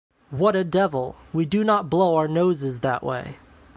What a devil! We do not blow our noses that way!